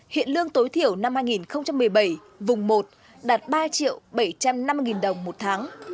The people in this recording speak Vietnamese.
hiện lương tối thiểu năm hai nghìn một mươi bảy vùng một đạt ba bảy trăm năm mươi đồng một tháng